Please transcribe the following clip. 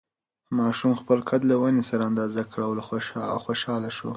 ماشوم خپل قد له ونې سره اندازه کړ او خوشحاله شو.